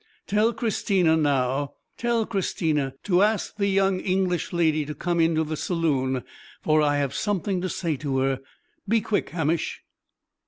Tell Christina, now! Tell Christina to ask the young English lady to come into the saloon, for I have something to say to her. Be quick, Hamish!"